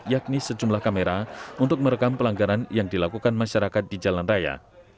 yakni sejumlah kamera untuk merekam pelanggaran yang dilakukan masyarakat di jalan raya